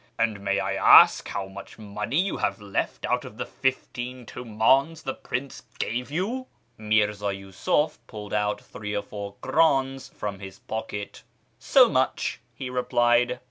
" And may I ask how much money you have left out of the fifteen Ij tumdns the prince gave you ?" Mirza Yiisuf pulled out three or four krdns from his ji pocket. " So much," he replied.